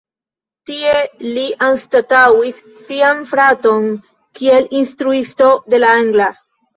Tie li anstataŭis sian fraton kiel instruisto de la angla.